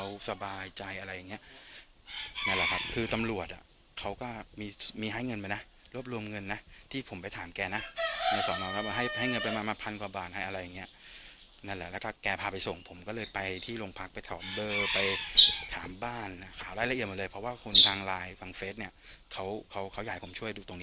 สบายใจอะไรอย่างเงี้ยนั่นแหละครับคือตำรวจอ่ะเขาก็มีมีให้เงินไปนะรวบรวมเงินนะที่ผมไปถามแกนะในสอนอว่าให้ให้เงินไปมามาพันกว่าบาทให้อะไรอย่างเงี้ยนั่นแหละแล้วก็แกพาไปส่งผมก็เลยไปที่โรงพักไปถอมเบอร์ไปถามบ้านข่าวรายละเอียดหมดเลยเพราะว่าคนทางไลน์ฟังเฟสเนี่ยเขาเขาอยากให้ผมช่วยดูตรงนี้